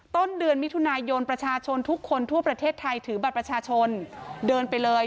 ต้นเดือนมิถุนายนประชาชนทุกคนทั่วประเทศไทยถือบัตรประชาชนเดินไปเลย